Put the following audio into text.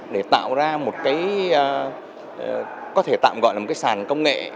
để tạo ra một cái có thể tạm gọi là một cái sàn công nghệ